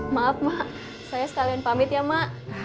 maaf emak saya sekalian pamit ya emak